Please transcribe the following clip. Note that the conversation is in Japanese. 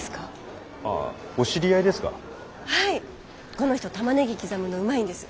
この人タマネギ刻むのうまいんです。